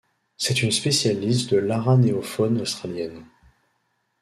C'est une spécialiste de l'aranéofaune australienne.